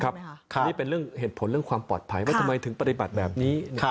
อันนี้เป็นเรื่องเหตุผลเรื่องความปลอดภัยว่าทำไมถึงปฏิบัติแบบนี้